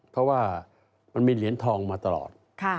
เพราะว่ามันมีเหรียญทองมาตลอด